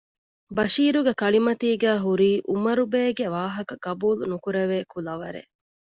ބަޝީރުގެ ކަޅިމަތީގައި ހުރީ އުމަރުބޭގެ ވާހަކަ ގަބޫލު ނުކުރެވޭ ކުލަވަރެއް